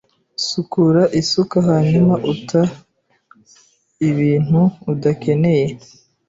Sukura isuka hanyuma uta ibintu udakeneye.